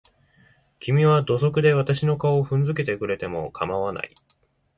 君は土足で私の顔を踏んづけてくれても構わない。